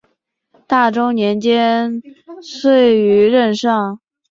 大中年间卒于任上。